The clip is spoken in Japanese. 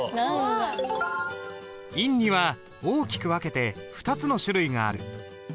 印には大きく分けて２つの種類がある。